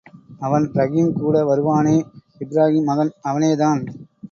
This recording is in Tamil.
அவன் ரஹீம் கூட வருவானே, இப்ராஹீம் மகன் அவனேதான்!